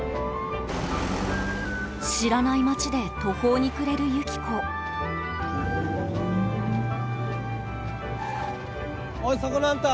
知らない町で途方に暮れるユキコおいそこのあんた！